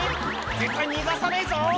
絶対逃がさねえぞ！」